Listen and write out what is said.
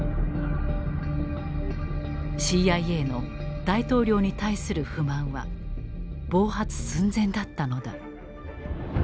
ＣＩＡの大統領に対する不満は暴発寸前だったのだ。